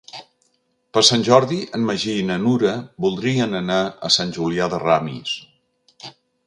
Per Sant Jordi en Magí i na Nura voldrien anar a Sant Julià de Ramis.